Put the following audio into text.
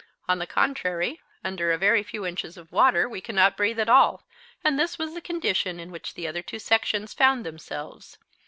On the contrary, under a very few inches of water we cannot breathe at all, and this was the condition in which the other two sections found themselves.